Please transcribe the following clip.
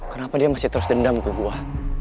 kenapa dia masih terus dendam ke buah